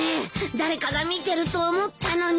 誰かが見てると思ったのに。